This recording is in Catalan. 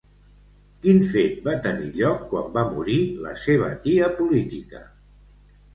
Quin fet va tenir lloc quan va morir la seva tia política?